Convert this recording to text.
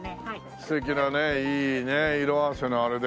素敵なねいいね色合わせのあれで。